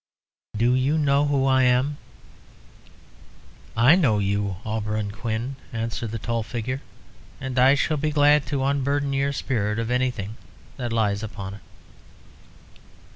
Do you know who I am?" "I know you, Auberon Quin," answered the tall figure, "and I shall be glad to unburden your spirit of anything that lies upon it."